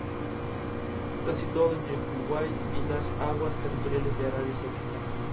Esto proporcionó algunos fondos para la educación pública en cada condado del estado.